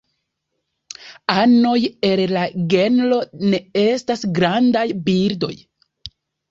Anoj el la genro ne estas grandaj birdoj.